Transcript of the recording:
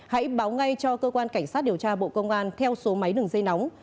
hãy báo ngay cho cơ quan cảnh sát điều tra bộ công an theo số máy đường dây nóng